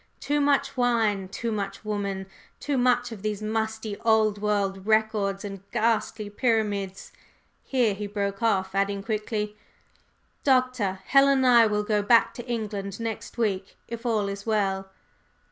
"Too much wine, too much woman, too much of these musty old world records and ghastly pyramids!" Here he broke off, adding quickly: "Doctor, Helen and I will go back to England next week, if all is well."